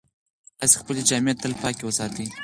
تاسې خپلې جامې تل پاکې وساتئ.